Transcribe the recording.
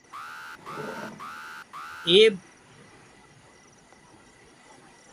ঐ বিশ্বকাপ শেষে মাঝারিসারির ব্যাটসম্যান রাসেল আর্নল্ড তার অবসরের কথা ঘোষণা করলে এ শূন্যতা পূরণে তিনি এগিয়ে আসেন।